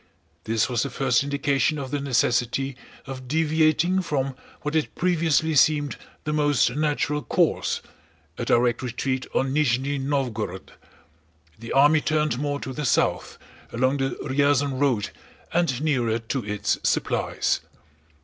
This was the first indication of the necessity of deviating from what had previously seemed the most natural course—a direct retreat on Nízhni Nóvgorod. The army turned more to the south, along the Ryazán road and nearer to its supplies.